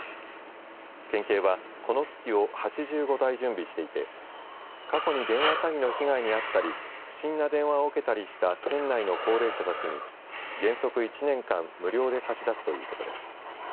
県警はこの機器を８５台準備していて過去に電話詐欺の被害にあったり不審な電話を受けたりした県内の高齢者たちに原則、１年間無料で貸し出すということです。